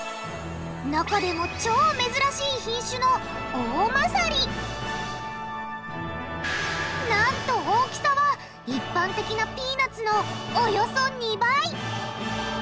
中でも超珍しい品種のなんと大きさは一般的なピーナツのおよそ２倍！